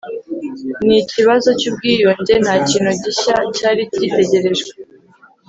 n ikibazo cy ubwiyunge nta kintu gishya cyari gitegerejwe